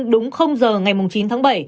đúng h ngày chín tháng bảy